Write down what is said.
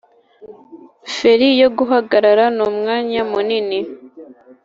feri yo guhagarara mumwanya munini